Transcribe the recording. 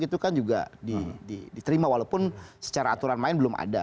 itu kan juga diterima walaupun secara aturan main belum ada